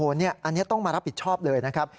อันนี้ต้องมารับผิดชอบเลยนะครับ